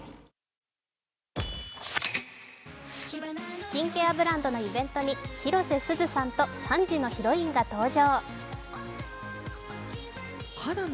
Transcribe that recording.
スキンケアブランドのイベントに広瀬すずさんと３時のヒロインが登場。